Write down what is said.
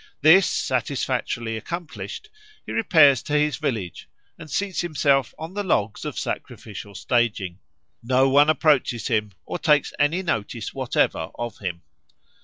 This satisfactorily accomplished, he repairs to his village and seats himself on the logs of sacrificial staging. No one approaches him or takes any notice whatever of him.